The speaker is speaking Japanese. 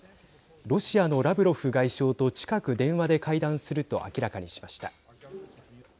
ロシアのラブロフ外相と近く電話で会談すると明らかにしました。